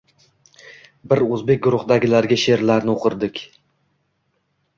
Biz o‘zbek guruhidagilarga she’rlarini o‘qirdik.